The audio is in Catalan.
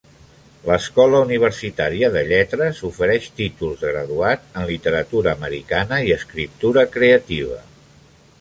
L'Escola Universitària de Lletres ofereix títols de graduat en Literatura americana i Escriptura creativa.